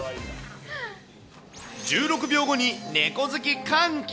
１６秒後に猫好き歓喜！